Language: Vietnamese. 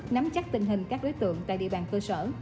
nắm chắc tình hình các đối tượng tại địa bàn cơ sở